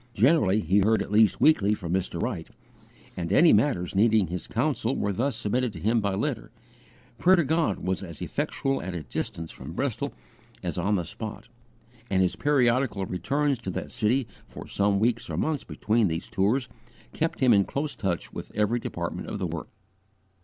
Generally he heard at least weekly from Mr. Wright, and any matters needing his counsel were thus submitted to him by letter; prayer to God was as effectual at a distance from Bristol as on the spot; and his periodical returns to that city for some weeks or months between these tours kept him in close touch with every department of the work.